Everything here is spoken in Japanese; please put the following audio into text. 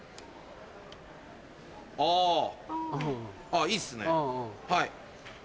あいいっすねはい。